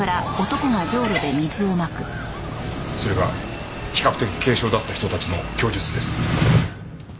それが比較的軽傷だった人たちの供述です。